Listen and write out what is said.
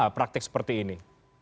untuk praktik seperti ini